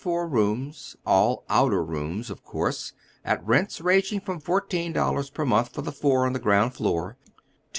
four rooms, all " outgr " rooms, of course, at rents ranging from $14 per month for the four on the ground floor, to $6.